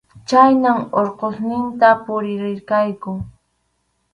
Chhaynam Urqusninta puririrqayku.